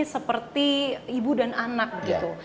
seperti ibu dan anak gitu